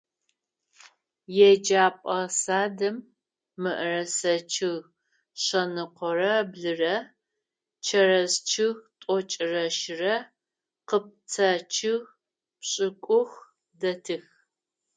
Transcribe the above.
Еджэпӏэ садым мыӏэрысэ чъыг шъэныкъорэ блырэ, чэрэз чъыг тӏокӏырэ щырэ, къыпцӏэ чъыг пшӏыкӏух дэтых.